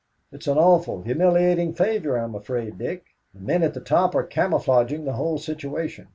It's an awful, humiliating failure, I am afraid, Dick. The men at the top are camouflaging the whole situation.